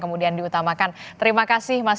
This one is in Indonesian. kemudian diutamakan terima kasih mas